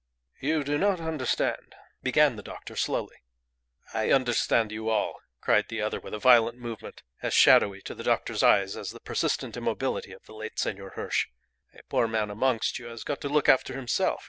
"You do not understand," began the doctor, slowly. "I understand you all!" cried the other with a violent movement, as shadowy to the doctor's eyes as the persistent immobility of the late Senor Hirsch. "A poor man amongst you has got to look after himself.